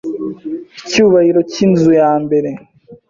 icyubahiro cyinzu yambere